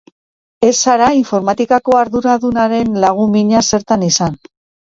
Ez zara informatikako arduradunaren lagun mina zertan izan.